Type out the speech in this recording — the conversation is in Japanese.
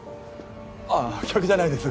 あっ客じゃないです。